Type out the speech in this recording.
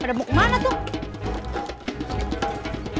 ya pada mau kemana tuh